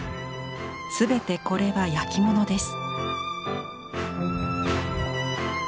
すべてこれは焼き物です。